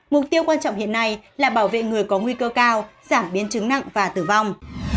mục tiêu quan trọng hiện nay là bảo vệ người có nguy cơ cao giảm biến chứng nặng và tử vong